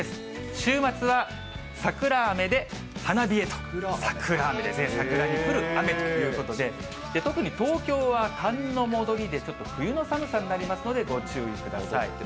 週末は桜雨で花冷えと、桜雨ですね、桜に降る雨ということで、特に東京は寒の戻りで、ちょっと冬の寒さになりますので、ご注意ください。